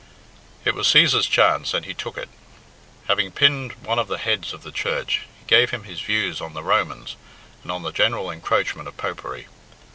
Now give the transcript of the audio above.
It was Cæsar's chance, and he took it. Having pinned one of the heads of the Church, he gave him his views on the Romans, and on the general encroachment of Popery.